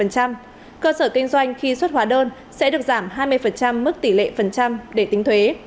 cơ sở kinh doanh khi xuất hóa đơn sẽ được giảm hai mươi mức tỷ lệ phần trăm để tính thuế